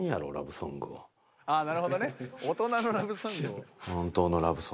ああなるほどね大人のラブソングを。